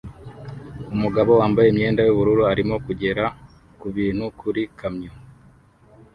Umugabo wambaye imyenda yubururu arimo kugera kubintu kuri kamyo